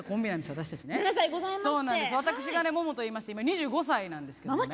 私がね萌々といいまして今２５歳なんですけどね。萌々